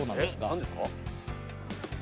何ですか？